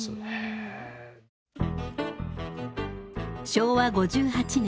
昭和５８年。